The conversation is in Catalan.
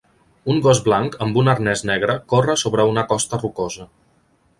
Un gos blanc amb un arnès negre corre sobre una costa rocosa.